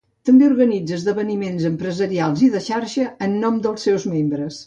També organitza esdeveniments empresarials i de xarxa en nom dels seus membres.